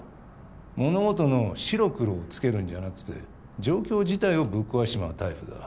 物事の白黒をつけるんじゃなくて状況自体をぶっ壊しちまうタイプだ。